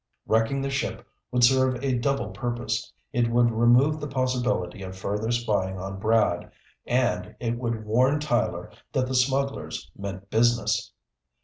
Wrecking the ship would serve a double purpose: it would remove the possibility of further spying on Brad and it would warn Tyler that the smugglers meant business.